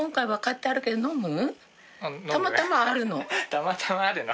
たまたまあるの？